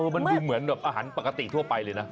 มันดูเหมือนแบบอาหารปกติทั่วไปเลยนะ